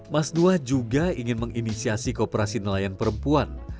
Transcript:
mas nuah juga ingin menginisiasi kooperasi nelayan perempuan